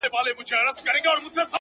اوس مي ذهن كي دا سوال د چا د ياد،